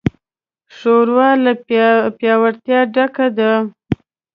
ښوروا له پیاوړتیا ډکه ده.